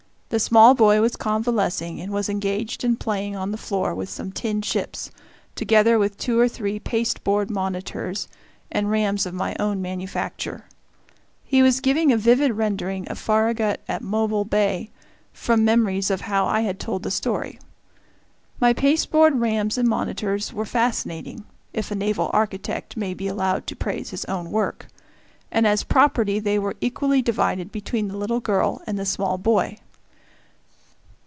The small boy was convalescing, and was engaged in playing on the floor with some tin ships, together with two or three pasteboard monitors and rams of my own manufacture. He was giving a vivid rendering of Farragut at Mobile Bay, from memories of how I had told the story. My pasteboard rams and monitors were fascinating if a naval architect may be allowed to praise his own work and as property they were equally divided between the little girl and the small boy.